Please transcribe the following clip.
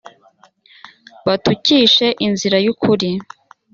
batukishe inzira y’ukuri